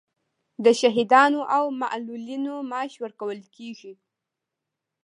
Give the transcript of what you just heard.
د شهیدانو او معلولینو معاش ورکول کیږي